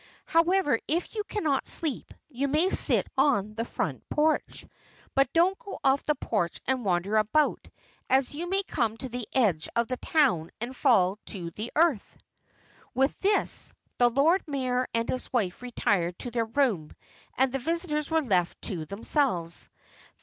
However, if you cannot sleep, you may sit on the front porch. But don't go off the porch and wander about, as you may come to the edge of the town and fall to the earth." With this, the Lord High Mayor and his wife retired to their room and the visitors were left to themselves.